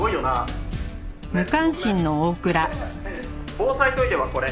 「防災トイレはこれ」